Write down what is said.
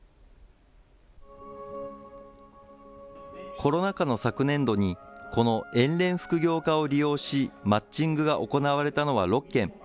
コロナ禍の昨年度に、この遠恋複業課を利用し、マッチングが行われたのは６件。